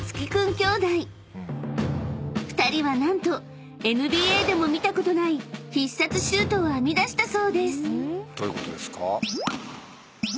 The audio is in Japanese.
［２人は何とＮＢＡでも見たことない必殺シュートを編み出したそうです］どういうことですか？